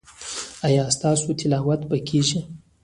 ایا ستاسو تلاوت به کیږي؟